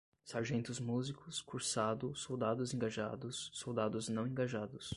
Sargentos músicos, cursado, soldados engajados, soldados não engajados